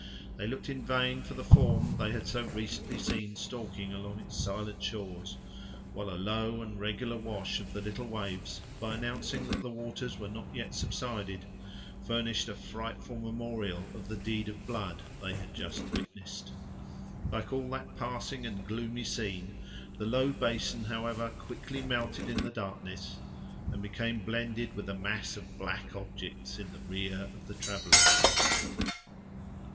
They looked in vain for the form they had so recently seen stalking along in silent shores, while a low and regular wash of the little waves, by announcing that the waters were not yet subsided, furnished a frightful memorial of the deed of blood they had just witnessed. Like all that passing and gloomy scene, the low basin, however, quickly melted in the darkness, and became blended with the mass of black objects in the rear of the travelers.